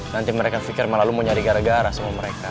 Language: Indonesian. nanti mereka pikir malah lo mau nyari gara gara sama mereka